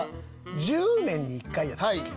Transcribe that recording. １０年に１回やったっけ？